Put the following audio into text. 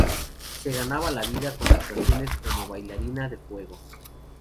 Se ganaba la vida con actuaciones como bailarina de fuego.